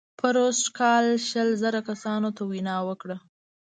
پروسږ کال شل زره کسانو ته وینا وکړه.